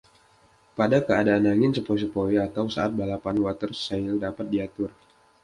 Pada keadaan angin sepoi-sepoi, atau saat balapan, watersail dapat diatur.